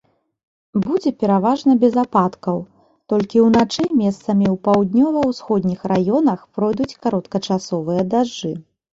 Будзе пераважна без ападкаў, толькі ўначы месцамі ў паўднёва-ўсходніх раёнах пройдуць кароткачасовыя дажджы.